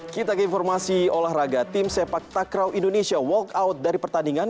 kita ke informasi olahraga tim sepak takraw indonesia walk out dari pertandingan